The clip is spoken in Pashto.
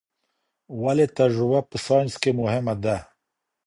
ولي تجربه په ساينس کي مهمه ده؟